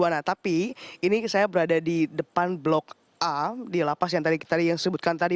nah tapi ini saya berada di depan blok a di lapas yang tadi yang disebutkan tadi